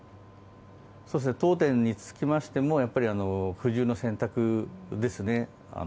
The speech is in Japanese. そして当店につきましてもやっぱり苦渋の選択ですね。